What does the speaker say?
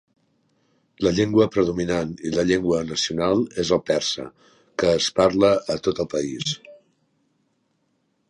La llengua predominant i la llengua nacional és el persa, que es parla a tot el país.